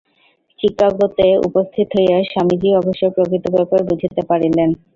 চিকাগোতে উপস্থিত হইয়া স্বামীজী অবশ্য প্রকৃত ব্যাপার বুঝিতে পারিলেন।